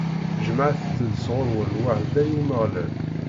Jemɛet-d sɣur-wen lweɛda i Umeɣlal.